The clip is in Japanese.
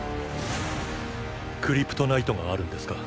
クリプトナイトがあるんですか？